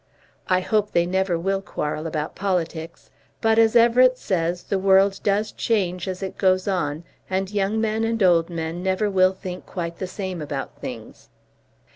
I hope they never will quarrel about politics; but, as Everett says, the world does change as it goes on, and young men and old men never will think quite the same about things.